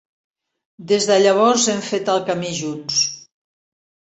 Des de llavors hem fet el camí junts.